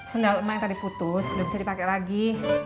sendal emak yang tadi putus udah bisa dipakai lagi